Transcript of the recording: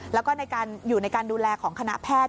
แล้วก็อยู่ในการดูแลของคณะแพทย์